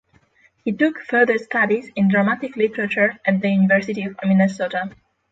He took further studies in dramatic literature at the University of Minnesota.